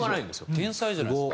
天才じゃないですか。